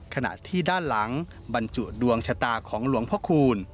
ขณะที่ด้านหลังบรรจุดวงชะตาของหลวงพ่อคูณ